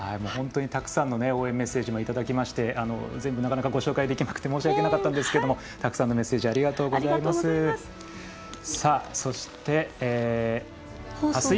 本当にたくさんの応援メッセージもいただきまして全部、なかなかご紹介できなくて申し訳なかったんですがたくさんのメッセージありがとうございました。